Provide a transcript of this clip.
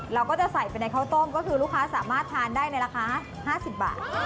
เราก็จะใส่ไปในข้าวต้มก็คือลูกค้าสามารถทานได้ในราคา๕๐บาท